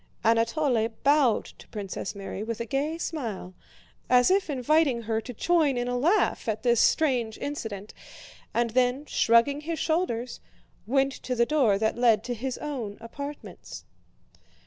Anatole bowed to Princess Mary with a gay smile, as if inviting her to join in a laugh at this strange incident, and then shrugging his shoulders went to the door that led to his own apartments.